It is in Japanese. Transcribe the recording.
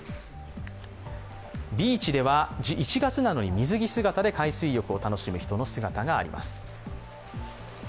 ビーチでは１月なのに水着姿で海水浴を楽しむ人の姿があります。